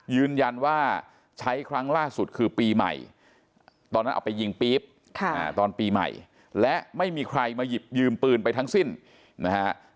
ยืนยันว่าใช้ครั้งล่าสุดคือปีใหม่ตอนนั้นเอาไปยิงปี๊บตอนปีใหม่และไม่มีใครมาหยิบยืมปืนไปทั้งสิ้นนะฮะ